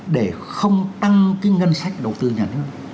để không tăng cái ngân sách đầu tư nhà nước